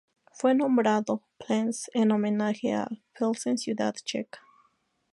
Fue nombrado Plzeň en homenaje a Pilsen ciudad checa.